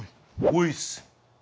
おいっす。